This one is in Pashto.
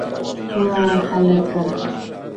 وه هلکه!